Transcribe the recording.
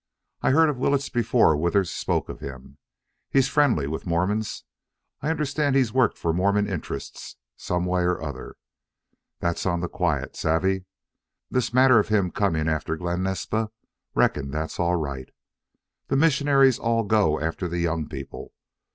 I heard of Willetts before Withers spoke of him. He's friendly with Mormons. I understand he's worked for Mormon interests, someway or other. That's on the quiet. Savvy? This matter of him coming after Glen Naspa, reckon that's all right. The missionaries all go after the young people.